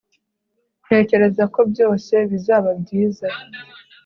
Ntekereza ko byose bizaba byiza